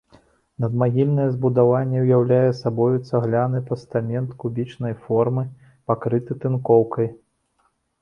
Надмагільнае збудаванне ўяўляе сабою цагляны пастамент кубічнай формы, пакрыты тынкоўкай.